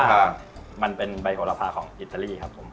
ก็มันเป็นใบโหระพาของอิตาลีครับผม